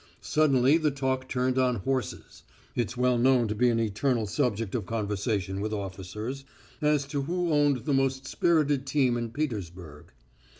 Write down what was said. Suddenly the talk turned on horses it's well known to be an eternal subject of conversation with officers as to who owned the most spirited team in Petersburg.